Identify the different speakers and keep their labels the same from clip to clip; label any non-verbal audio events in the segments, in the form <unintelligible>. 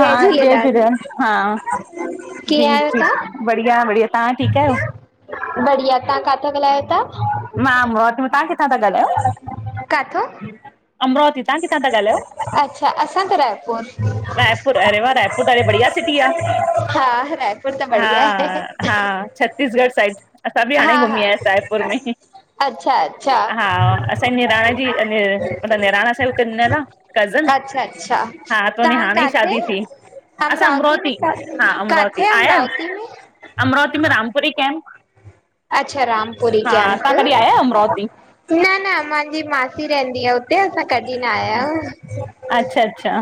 Speaker 1: हा, जय झूलेलाल हा जी
Speaker 2: कीअं आहियो
Speaker 1: ठीक,
Speaker 2: तव्हां?
Speaker 1: बढ़िया बढ़िया तव्हां ठीकु आहियो?
Speaker 2: बढ़िया, तव्हां काथा ॻाल्हायो था?
Speaker 1: मां अमरावती मां, तव्हां किथां ता ॻाल्हायो?
Speaker 2: काथऊं?
Speaker 1: अमरावती तवां किथां था ॻाल्हायो?
Speaker 2: असां त रायपुर।
Speaker 1: रायपुर, अरे वा रायपुर त डाढी बढ़िया सिटी आ।
Speaker 2: हा, रायपुर त बढ़िया आहे।
Speaker 1: हा, छत्तीसगढ़ साइड असां बि
Speaker 2: हा
Speaker 1: हाणे
Speaker 2: हा
Speaker 1: घुमी आयासीं रायपुर में।
Speaker 2: अच्छा अच्छा
Speaker 1: हा, असांजी निणान जी नि मतलब निणान असांजी हुते ॾिनल आ कज़िन
Speaker 2: अच्छा अच्छा
Speaker 1: हा, त हुन जी
Speaker 2: तव्हां
Speaker 1: हाणे ई
Speaker 2: काथे?
Speaker 1: शादी थी। असां
Speaker 2: अमरावती में का
Speaker 1: हा अमरावती
Speaker 2: काथे
Speaker 1: आया आहियो
Speaker 2: अमरावती में?
Speaker 1: अमरावती में रामपुरी कैंप।
Speaker 2: अच्छा रामपुरी कैम्प।
Speaker 1: तव्हां कॾहिं आया आहियो अमरावती
Speaker 2: न न मांजी मासी रहंदी आ हुते। असां कढी न आया आहंयू?
Speaker 1: अच्छा अच्छा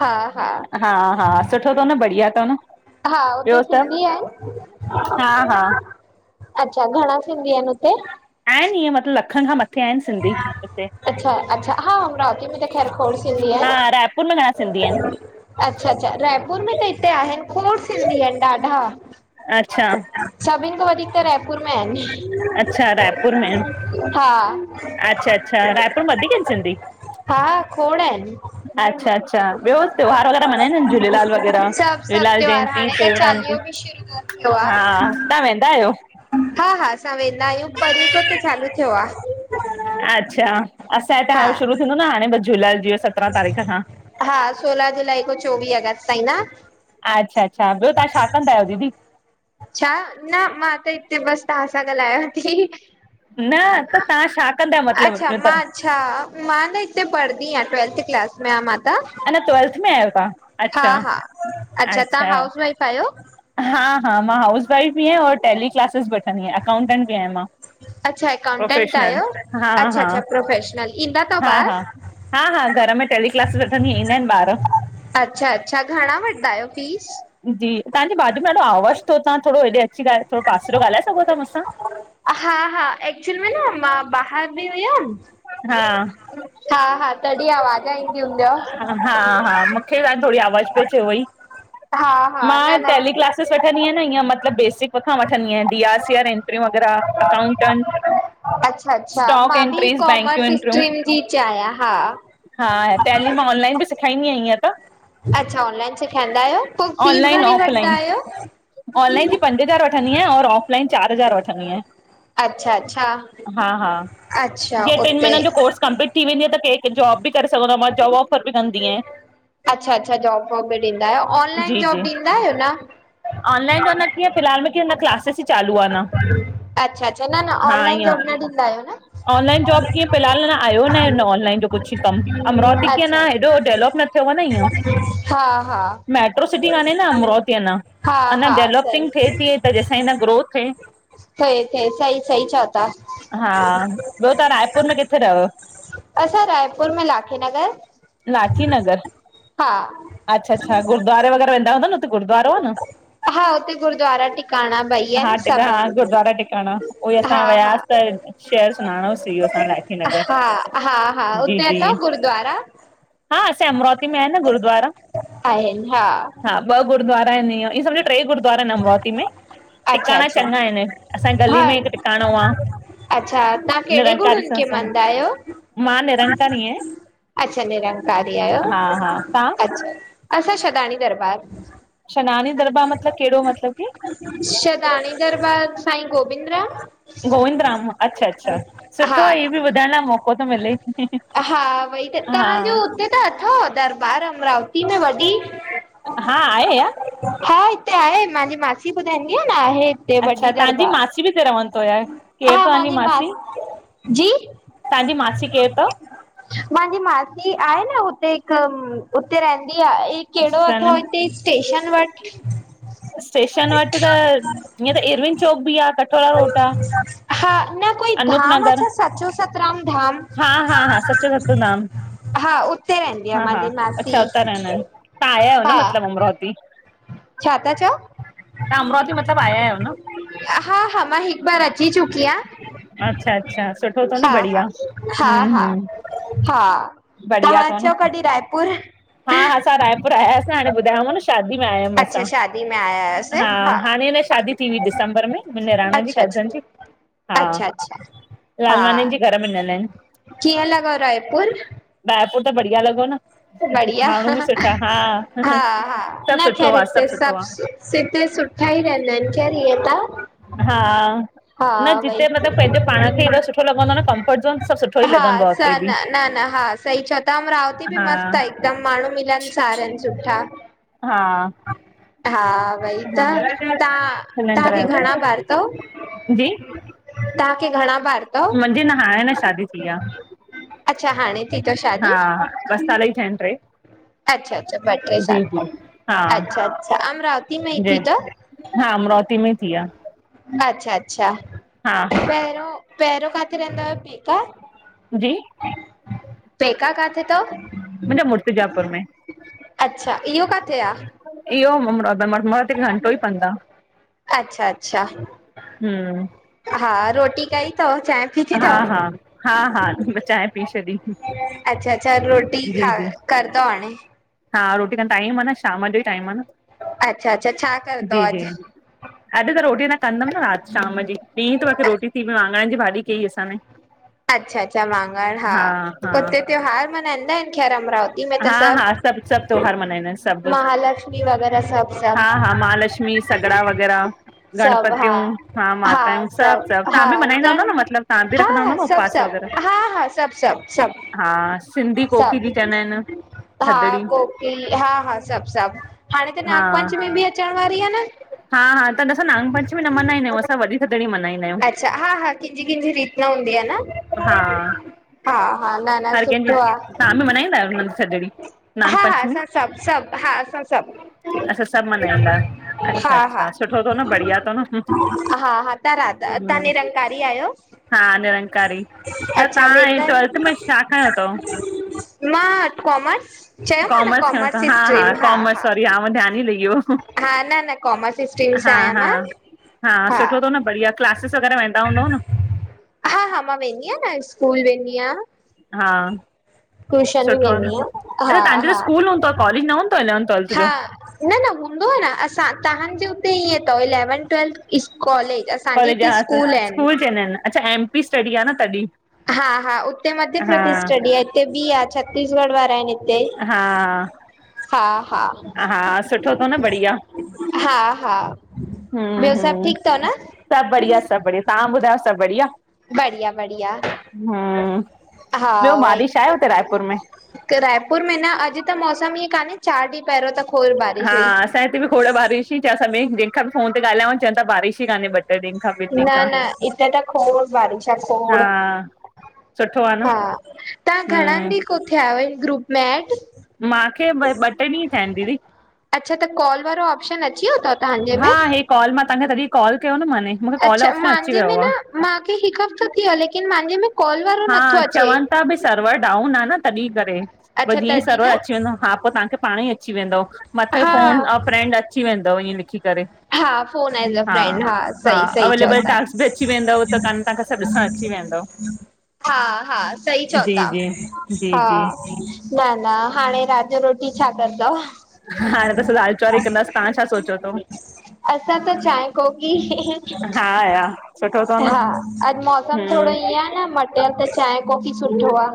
Speaker 2: हा
Speaker 1: हा हा, सुठो तव न बढ़िया तव न।
Speaker 2: हा, हुते
Speaker 1: ॿियो सभु
Speaker 2: सिंधी आहिनि?
Speaker 1: हा हा
Speaker 2: अच्छा, घणा सिंधी आहिनि हुते?
Speaker 1: आहिनि इअं मतिलबु लखनि खां मथे आहिनि सिंधी हिते।
Speaker 2: अच्छा अच्छा, हा, अमरावती में त खैर खोड़ सिंधी आहिन।
Speaker 1: हा रायपुर में घणा सिंधी आहिनि
Speaker 2: अच्छा अच्छा, रायपुर में त हिते आहिनि खोड़ सिंधी आहिनि ॾाढा।
Speaker 1: अच्छा
Speaker 2: सभिनि खां वधीक त, रायपुर में आहिनि।
Speaker 1: अच्छा रायपुर में आहिनि।
Speaker 2: हा
Speaker 1: अच्छा अच्छा रायपुर में वधीक आहिनि सिंधी
Speaker 2: हा, खोण इन।
Speaker 1: अच्छा अच्छा, ॿियो त्योहार वग़ैरह मनाईंदा झूलेलाल वग़ैरह?
Speaker 2: सभु सभु त्योहार
Speaker 1: जयंतीे
Speaker 2: हाणे त
Speaker 1: टेऊराम जी।
Speaker 2: चालीहो बि शुरू थियो
Speaker 1: हा,
Speaker 2: आहे
Speaker 1: तव्हां वेंदा आहियो?
Speaker 2: हा हा असां वेंदा आहियूं परीय खां त चालू थियो आ।
Speaker 1: अच्छा असां हितां
Speaker 2: हा
Speaker 1: शुरू थींदो न हाणे बस झूलेलाल जी जो सभ
Speaker 2: हा सोलह जुलाई खां चोवीह अगस्त ताईं न।
Speaker 1: अच्छा अच्छा, ॿियो तव्हां छा कंदा आहियो दीदी?
Speaker 2: छा न मां त हिते बसि तव्हां सां ॻाल्हायांव थी।
Speaker 1: न त तव्हां छा कंदा मतिलबु
Speaker 2: अच्छा
Speaker 1: न
Speaker 2: मां
Speaker 1: त?
Speaker 2: अच्छा मां न हिते पढ़ंदी आहियां ट्वेल्थ क्लास में आहिय मां त
Speaker 1: हञ ट्वेल्थ में आहियो तव्हां? अच्छा
Speaker 2: हा-हा अच्छा तव्हां हाउस वाइफ आहियो?
Speaker 1: हा हा मां हाउस वाइफ बि आहियां और तयली क्लासेस वठंदी आहियां अकाउंटेंट बि आहियां मां।
Speaker 2: अच्छा अकाउंटेंट
Speaker 1: प्रोफेशनल
Speaker 2: आयो
Speaker 1: हा हा
Speaker 2: अच्छा-अच्छा प्रोफेशनल, ईंदा थव ॿार?
Speaker 1: हा-हा घर में टेल क्लास
Speaker 2: अच्छा-अच्छा घणा वठंदा आयो फीस?
Speaker 1: जी तव्हांजे बाॼ में डाधो आवाज़ तव तहां थोरो हेॾे अची थोरो पासीरे ॻाल्हाए सघो था मूंसां?
Speaker 2: हा हा एक्चुअल में न मां ॿाहर थी हुयम
Speaker 1: हा
Speaker 2: हा-हा तॾहिं आवाज न ईंदी हूंदव
Speaker 1: हा हा मुखे थोड़ी आवाज़ पई अचे वई
Speaker 2: हा हा न
Speaker 1: मां
Speaker 2: न
Speaker 1: टेल क्लासिस वठी वठंदि आन इअं मतलब बेसिक खां वठंदी आया, D R C R entry वग़ैरह अकाउंटेंट
Speaker 2: अच्छा-अच्छा
Speaker 1: स्टॉक
Speaker 2: मां ब
Speaker 1: एंट्रीस बैंक जूं
Speaker 2: कॉमर्स
Speaker 1: एंट्रियूं
Speaker 2: स्ट्रीम जी इच आयन, हा।
Speaker 1: हा तैली मां ऑनलाइन बि सेखारींदी आह इयं त
Speaker 2: अच्छा ऑनलाइन सेखारींदा आहियो पो फीस
Speaker 1: ऑनलाइन
Speaker 2: घणी वठंदा
Speaker 1: ऑफलाइन
Speaker 2: आहियो?
Speaker 1: ऑनलाइन जी पंज हज़ार वठंदी आयां और ऑफलाइन चार हज़ार वठंडी आहियां।
Speaker 2: अच्छा अच्छा
Speaker 1: हा-हा
Speaker 2: अच्छा
Speaker 1: जीअं टिन
Speaker 2: उते
Speaker 1: महीनन जो कोर्स कंपलीट थी वेंदी आहे त कंहिं क जॉब बि करे सघंदो आहे मां जॉब ऑफर बि कंदी आहियां।
Speaker 2: अच्छा-अच्छा जॉब वॉब बि ॾींदा आहियो, ऑनलाइन
Speaker 1: जी
Speaker 2: जॉब
Speaker 1: जी
Speaker 2: ॾींदा आहियो न?
Speaker 1: ऑनलाइन त न कीअ फ़िलहाल में की क्लासिस ई चालू आ।
Speaker 2: अच्छा-अच्छा न-न ऑनलाइन
Speaker 1: ईअं
Speaker 2: जॉब न ॾींदा आहियो न।
Speaker 1: ऑनलाइन जॉब फिलहाल आयो न ऑनलन जो कुछ कम अमरावटि ती कीअं
Speaker 2: अच्छा अच्छा
Speaker 1: हेॾो डेवलप न थ न इअ
Speaker 2: हा हा
Speaker 1: मेट्रो सिटी काने न अमरोती अञा।
Speaker 2: हा
Speaker 1: अञा
Speaker 2: हा सही
Speaker 1: डेवलपिंग थिए थी त जंसां हिन ग्रोथ
Speaker 2: थिए थिए सही सही चओ था
Speaker 1: हा तव्हां रायपुर में किथे रहो?
Speaker 2: असां रायपुर में लाखी नगर।
Speaker 1: लाठी नगर
Speaker 2: हा
Speaker 1: अच्छा-अच्छा गुरुूद्वारे वग़ैरह वेंदा हूंदा न हुते गुरुद्वारो आ न?
Speaker 2: हा हुते गुरुद्वारा टिकाणा ॿई
Speaker 1: हा
Speaker 2: आहिनि सभु
Speaker 1: हा
Speaker 2: आहिनि
Speaker 1: गुरुद्वारा टिकाणा उई असां
Speaker 2: हा हा
Speaker 1: वियासीं। त शहर सुञाणोस इहो असां लाठी नगर
Speaker 2: हा हा हा उते
Speaker 1: जी-जी
Speaker 2: गुरुद्वारा
Speaker 1: हा असां अमरावती में आ न गुरुूद्वारा हा ॿ गुरुद्वारा ट्रे गुरुूद्वारा आहिन अमरावती में
Speaker 2: अच्छा
Speaker 1: टिकाणा
Speaker 2: अच्छा
Speaker 1: चङा आहिन असांजे
Speaker 2: हा
Speaker 1: गली में हिक टिकाणो आ
Speaker 2: अच्छा तव्हां कहिड़े
Speaker 1: निरंकारी
Speaker 2: गुरूनि खे
Speaker 1: सत्संग,
Speaker 2: मञदा आहियो
Speaker 1: मां निरंकारी आया
Speaker 2: अच्छा निरंकारी आयो
Speaker 1: हा तव्हां
Speaker 2: अच्छा-अच्छा सदाण दरबार
Speaker 1: शनानि दरबार मतलब केड़ो मतलब की?
Speaker 2: छहदाणी दरबाद साई गोबिंद्र
Speaker 1: गोविंद राम अच्छा-अच्छा सुठो
Speaker 2: हा
Speaker 1: आ, इहो बि ॿुधण लाइ मौक़ो थो मिले ई।
Speaker 2: हा भई त तव्हांजो हुते त अथव दरबार अमरावती में वॾी?
Speaker 1: हा आहे या
Speaker 2: हा हिते आहे मुंजी मासी ॿुधाईंदी आ न आहे।
Speaker 1: अच्छा,
Speaker 2: वॾी
Speaker 1: तव्हांजी
Speaker 2: दरबार।
Speaker 1: मासी बि हिते रहंदी आहे, केरु
Speaker 2: हा
Speaker 1: तव्हांजी
Speaker 2: मुंहिंजी
Speaker 1: मासी?
Speaker 2: जी
Speaker 1: तव्हांजी मासी केर थव?
Speaker 2: मांजी मासी आहे न, हुते हिक उते रहंदी आ केड़ो अथव
Speaker 1: सनेम?
Speaker 2: इते स्टेशन वट
Speaker 1: स्टेशन वट त, ईएं त इरविन चौक बि आ, कठोरा रोड आ।
Speaker 2: हा, न कोई
Speaker 1: अनूप
Speaker 2: धाम आ
Speaker 1: नगर
Speaker 2: छा? सचो सतराम धाम।
Speaker 1: हा हा हा, सचो सतनाम।
Speaker 2: हा उते रहंदी आहे
Speaker 1: हा हा,
Speaker 2: मुंहिंजी
Speaker 1: अच्छा
Speaker 2: मासी
Speaker 1: उता रहंदा एन, तां आया आयो न
Speaker 2: हा
Speaker 1: मतलब अमरावती?
Speaker 2: छा ता चओ?
Speaker 1: तव्हां अमरावती मतिलबु आया आहियो न?
Speaker 2: हा हा, मां हिक बार अची चुकीआं।
Speaker 1: अच्छा अच्छा, सुठो तो न बढ़िया।
Speaker 2: हा
Speaker 1: हम्म
Speaker 2: हा,
Speaker 1: हम्म
Speaker 2: हा,
Speaker 1: बढ़िया
Speaker 2: तहां
Speaker 1: तव न।
Speaker 2: अचो कॾी रायपुर।
Speaker 1: हा हा, असां रायपुर आया, हाणे ॿुधायो मां न शादी में आयायूं
Speaker 2: अच्छा
Speaker 1: असां,
Speaker 2: शादी में आया हुआसीं
Speaker 1: हा हाणे अञा शादी थी हुई डिसंबर में। मुंजी निराणन जी
Speaker 2: अच्छा
Speaker 1: कज़न
Speaker 2: अच्छा
Speaker 1: जी, हा
Speaker 2: अच्छा अच्छा
Speaker 1: लालवानिन
Speaker 2: हा
Speaker 1: जे घर में ॾिनल एन।
Speaker 2: कीअं लॻव रायपुर?
Speaker 1: रायपुर त बढ़िया लॻो न।
Speaker 2: बढ़िया, हा
Speaker 1: माण्हू बि सुठा हा
Speaker 2: हा,
Speaker 1: सभु
Speaker 2: न
Speaker 1: सुठो
Speaker 2: ख़ैर
Speaker 1: आ,
Speaker 2: हिते
Speaker 1: सभु सुठो
Speaker 2: सभ
Speaker 1: आ,
Speaker 2: सु हिते सुठा ई रहंदा एन, खेरु ईएं त।
Speaker 1: हा
Speaker 2: हा
Speaker 1: न
Speaker 2: वई
Speaker 1: जिते मतलब, पैंजो पाण खे हेॾो सुठो लॻंदो आ न, कमफर्ट ज़ोन त सभ सुठो ई लॻंदो आ उते बि।
Speaker 2: सहीचओ ता, अमरावती बि
Speaker 1: हा
Speaker 2: मस्त आ हिकदम, माण्हूं मिलनसार एन सुठा।
Speaker 1: हा
Speaker 2: हा, वई त, तां तहांखे
Speaker 1: हा
Speaker 2: घणा ॿार तव?
Speaker 1: जी
Speaker 2: तांखे घणा ॿार? अथव
Speaker 1: मुंजी न हाणे अञा शादी थी आ,
Speaker 2: अच्छा हाणे थी अथव
Speaker 1: हा
Speaker 2: शादी
Speaker 1: ॿ साल ई थिया एन ट्रे।
Speaker 2: अच्छा अच्छा, ॿ ट्रे
Speaker 1: जी
Speaker 2: साल,
Speaker 1: जी हा
Speaker 2: अच्छा अच्छा अमरावती तीन मई
Speaker 1: जी
Speaker 2: थी तव?
Speaker 1: हा अमरावती में थी आ,
Speaker 2: अच्छा अच्छा
Speaker 1: हा हा
Speaker 2: पहिरों, पहिरों काथे रहिंदा हुयव पेका?
Speaker 1: जी
Speaker 2: पेका काथे तव?
Speaker 1: मुंजा मुर्तिजापुर में।
Speaker 2: अच्छा, इहो काथे आ?
Speaker 1: इहो, मुर्तिजापुर, घंटो ई पंध आ।
Speaker 2: अच्छा अच्छा,
Speaker 1: हम्म
Speaker 2: हा रोटी कई तव? चांइ किथे
Speaker 1: हा
Speaker 2: थव?
Speaker 1: हा हा हा चांहि पी छॾी,
Speaker 2: अच्छा अच्छा रोटी
Speaker 1: जी
Speaker 2: खा
Speaker 1: जी
Speaker 2: कर तौ हाणे?
Speaker 1: हा, रोटी खां, टाइम आ न, शाम जो ई टाइम आ न।
Speaker 2: अच्छा अच्छा, छा करदौ अॼ?
Speaker 1: अॼ त रोटी न कंदम न रात शाम जी, ॾींह तक रोटी थी वाङणन जी भाॼी की असां ने
Speaker 2: अच्छा अच्छा वाङण हा, उते त्योहार मल्हाईंदाएन?
Speaker 1: हा हा सभ, सभ त्योहार मल्हाईंदा एन, सभ
Speaker 2: महालक्ष्मी वग़ैरह सभु सभु
Speaker 1: हा हा महालक्ष्मी लक्ष्मी सगड़ा वग़ैरह,
Speaker 2: सभु हा
Speaker 1: गणपतियूं, हा माताऊं सभु सभु। तव्हां बि मल्हाईंदा हूंदव न मतलबु तव्हां बि
Speaker 2: हा
Speaker 1: रखंदा
Speaker 2: हा
Speaker 1: हूंदव न?
Speaker 2: सभु
Speaker 1: उपवास वग़ैरह
Speaker 2: सभु हा हा सभु सभु
Speaker 1: हा
Speaker 2: सभु
Speaker 1: सिंधी कोकी बि चवंदा आहिनि
Speaker 2: सभु हा
Speaker 1: थदड़ी
Speaker 2: कोकी हा हा सभु सभु, हाणे त
Speaker 1: हा
Speaker 2: नागपंचमी बि अचण वारी आ न?
Speaker 1: हा, हा, न अंसा नांग पचंमी न मल्हादिंया आहिंयू। असां वॾी थधडी मल्हादिंयाआहियूं।
Speaker 2: कंहजी कंहजी रीत न हूंदी आ
Speaker 1: हा
Speaker 2: न। हा, हा, न, न,
Speaker 1: हर कंहिंजी
Speaker 2: सूठो आहे।
Speaker 1: तव्हां बि मल्हाईंदा आहियो न थदड़ी नांग
Speaker 2: हा हा
Speaker 1: पंचमी
Speaker 2: असां सब सब हा असां सब।
Speaker 1: अच्छा सभु मल्हाईंदा अच्छा
Speaker 2: हा, हा
Speaker 1: अच्छा सुठो अथव न बढ़िया अथव न
Speaker 2: हा, हा तहां राधा तहां
Speaker 1: हम्म,
Speaker 2: निरंकारी आहियो?
Speaker 1: हा, निरंकारी, त
Speaker 2: अच्छा
Speaker 1: तहां
Speaker 2: वेंदा
Speaker 1: ट्वेल्थ
Speaker 2: आहियो।
Speaker 1: में छा खयों अथव?
Speaker 2: मां कॉमर्स, चयो माव न कॉमर्स जी स्ट्रीम हा, हा।
Speaker 1: याव धियानि लहि वियो।
Speaker 2: हा न, न काॅर्मस स्टीम सां
Speaker 1: हा
Speaker 2: आहिया
Speaker 1: हा
Speaker 2: मां।
Speaker 1: हा, सुठो थो न, बढ़िया क्लासिस वग़ैरह वेंदा हूंदव न?
Speaker 2: हा, हा, मां वेंदी आहियां न, स्कूल वेंदी आहियां।
Speaker 1: हा,
Speaker 2: ट्यूशन बि
Speaker 1: सुठो आ
Speaker 2: वेंदी
Speaker 1: न।
Speaker 2: आहियां
Speaker 1: अच्छा
Speaker 2: हा
Speaker 1: तव्हांजो त
Speaker 2: हा
Speaker 1: स्कूल हूंदो आहे, कॉलेज न हूंदो तव ईलेवेन्थ?
Speaker 2: हा, न, न हूंदो आ न, असां तहांजे हूते इएं अथव इलेवन, ट्वेल्थ इस कॉलेज़ असांजे हिते स्कूल आहिनि।
Speaker 1: न, न अच्छा एम पी स्ट्डी आ न तॾहिं।
Speaker 2: हा, हा उते
Speaker 1: हा
Speaker 2: मध्यप्रदेश स्टङी आ इते ॿि आ छत्तीसगढ़ वारा आहिनि हि ते
Speaker 1: हा
Speaker 2: हा हा
Speaker 1: हा सुठो थव न बढ़िया।
Speaker 2: हा हा
Speaker 1: हम्म
Speaker 2: ॿियो सभु
Speaker 1: हम्म
Speaker 2: ठीकु अथव न
Speaker 1: सब बढ़िया सब बढ़िया। तहां ॿुधायो सब बढिया?
Speaker 2: बढ़िया बढ़िया
Speaker 1: हूं, ॿियो बारिश आहे हूते रायपुर में?
Speaker 2: रायपूर में न अॼु त मौसम ईअं कान्हे चारि ॾींहं पहिरियों त खोड़
Speaker 1: हा,
Speaker 2: बारिश हुई
Speaker 1: असां हिते बि खोड़ बारिश ही। च असां बि जिखां बि फोन ते ॻाल्हायो चवनि बारिश ही काने ब
Speaker 2: न, न हिते त खोड़ बारिश आ खोड़।
Speaker 1: हा सुठो आ न,
Speaker 2: हा, तव्हां घणान
Speaker 1: हम्म
Speaker 2: ॾींहं खां थियाआयो ग्रुप में एड?
Speaker 1: मांखे ॿ ट्ऐ ॾींहं थिया आहिनि दीदी।
Speaker 2: अच्छा त कॉल वारो ऑप्शन अची वियो तव तव्हांजे
Speaker 1: हा
Speaker 2: में?
Speaker 1: हे कॉल, मां तव्हांखे तॾहिं कॉल कयो, न माने मूंखे कॉल जो ऑप्शन अची वियो आ।
Speaker 2: माखे हिकु हफ़्तो थी वियो आ, लेकिन मांजे में कॉल वारो नथो
Speaker 1: हा,
Speaker 2: अचे
Speaker 1: चवनि था भई र्सवर डाउन आ न तॾहिं करे। पो
Speaker 2: अच्छा
Speaker 1: जीएं इ
Speaker 2: तॾहिं
Speaker 1: सर्वर
Speaker 2: न
Speaker 1: अची वेंदो हा पो तव्हांखे पाण ई अची वेंदव मथे
Speaker 2: हा
Speaker 1: फोन अ फ्रैंड अची वेंदव इएंं लिख़ी करे।
Speaker 2: हा फोन एज अ
Speaker 1: हा,
Speaker 2: फ्रेंड
Speaker 1: हा
Speaker 2: सही सही चओ
Speaker 1: अवेलेबल
Speaker 2: था
Speaker 1: टास्क बि अची वेंदव त कान, तव्हांखे सभु ॾिसणअची वेंदव।
Speaker 2: हा, हा, सही चओ
Speaker 1: जी
Speaker 2: था।
Speaker 1: जी जी जी
Speaker 2: हा न, न हाणे रात जो रोटी छा कंदव?
Speaker 1: हाणे त असां दाल चावर ई कंदासीं तव्हां छा सोचियो तव?
Speaker 2: असां त चांय कोकी ही ही ही।
Speaker 1: हा या सुठो अथव न
Speaker 2: हा, अॼु मौसम थोड़ो
Speaker 1: हम्म
Speaker 2: इएं आ न मटियल त चांहि कॉफ़ी सुठो आ।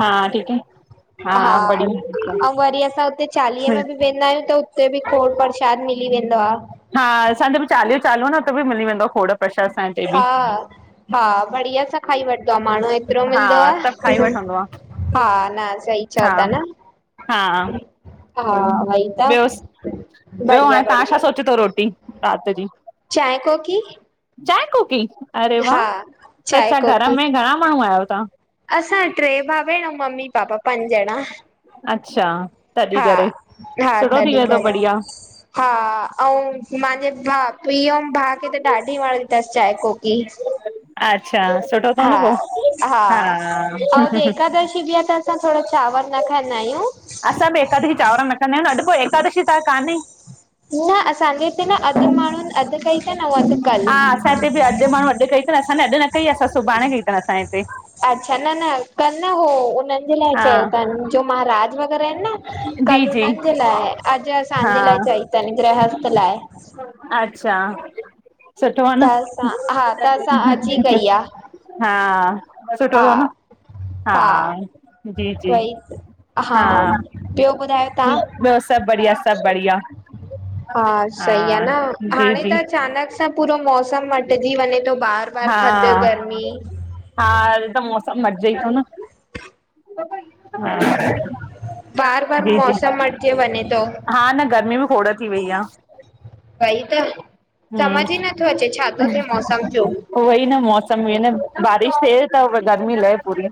Speaker 1: हा, ठीक है। हा बढ़िया
Speaker 2: ऐं वरी असां हूते चालिये में बि वेंदा आहियूं त हूते बि खोड़ प्रसाद मिली वेदो आ।
Speaker 1: हा, असांजो बि चालिहो चालू आ न, उते बि मिली वेंदो खोड़ प्रसाद असांजे हिते
Speaker 2: हा,
Speaker 1: बि
Speaker 2: हा, बढ़िया सां खाई वठ माण्हू हेतिरो
Speaker 1: हा
Speaker 2: मिलंदो आ,
Speaker 1: सभु खाई वठंदो आहे
Speaker 2: हा, न, सही चओ
Speaker 1: हा
Speaker 2: था न।
Speaker 1: हा
Speaker 2: हा, वही त!
Speaker 1: ॿियो ॿियो,
Speaker 2: बढ़िया
Speaker 1: हाणे तहां छा
Speaker 2: बढ़िया
Speaker 1: सोचयो थव रोटी रात जी?
Speaker 2: चांहि कोकी
Speaker 1: चांय कोकी! अरे वाह,
Speaker 2: हा
Speaker 1: त
Speaker 2: चांहि
Speaker 1: छा, घर
Speaker 2: कोकी
Speaker 1: में घणा माण्हू आहियो तहां?
Speaker 2: असां टे भाउ भेण ऐं मम्मी पापा पंज ॼणा।
Speaker 1: अच्छा, तॾहिं
Speaker 2: हा
Speaker 1: करे,
Speaker 2: हा
Speaker 1: सुठो थी
Speaker 2: तॾहिं
Speaker 1: वेंदो
Speaker 2: करे
Speaker 1: बढ़िया।
Speaker 2: हा अंउ मंहांजे भा, पीउ अंउ भाउ खे त ॾाढी वणंदी अथसि चांय कोकी।
Speaker 1: अच्छा सुठो अथव न पोइ
Speaker 2: अंउ
Speaker 1: हा
Speaker 2: अज एकादशी बि अआ त असां थोङो चांवर न खाईंदा आहियूं।
Speaker 1: असां बि एकादशी चांवर न खाइंदा आंयूं, अॼु एकादशी त कान्हे!
Speaker 2: न असांजे हिते न अधु माण्हुनि अध कई थन अंउ अध कल।
Speaker 1: माणू अु क <unintelligible> पर असां न अॾु न कई आ, असां सुभाणे कई असांजे हिते।
Speaker 2: अच्छा न न, कन न हो उन
Speaker 1: हा
Speaker 2: चयो जो महाराज वग़ैरह आहिन न
Speaker 1: जी
Speaker 2: कल
Speaker 1: जी
Speaker 2: उननि जे लाए आ, अॼ
Speaker 1: हा
Speaker 2: असांजे ला ए चई तन, ग्रहस्थ लाए।
Speaker 1: अच्छा, सुठो आ न।
Speaker 2: त असां हा त असां अॼु ई कई आहे
Speaker 1: हा, सुठो
Speaker 2: हा
Speaker 1: थव न! हा, जी- जी
Speaker 2: वई
Speaker 1: हा।
Speaker 2: ॿियो ॿुधायो तव्हां?
Speaker 1: ॿियो सब बढ़िया, सब बढ़िया।
Speaker 2: हा सही आ न,
Speaker 1: जी
Speaker 2: हाणे
Speaker 1: जी
Speaker 2: त अचानक त पूरो मौसम मटिजी वंञे थो बार बार।
Speaker 1: हा
Speaker 2: थधि गर्मी
Speaker 1: हा, त मौसम मटजेई थो न। ह
Speaker 2: बार बार
Speaker 1: <inaudible>
Speaker 2: मौसम
Speaker 1: जी
Speaker 2: मटिजे वञे थो
Speaker 1: हा न, गर्मी बि खोड़ थी वई आ।
Speaker 2: उवई त समझ ई नथो अचे छा थो थिए मौसम जो।
Speaker 1: उवोई न मौसम मेन आ, बारिश थिए त गर्मी लहे पूरी।